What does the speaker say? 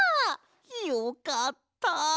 よかった！